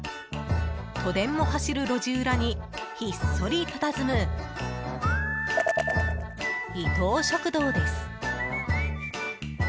都電も走る路地裏にひっそりたたずむ伊東食堂です。